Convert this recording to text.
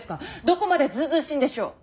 どこまでずうずうしいんでしょう。